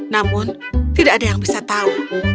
namun tidak ada yang bisa tahu